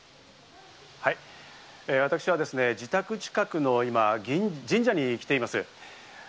私はですね、自宅近くの今、神社に来ています。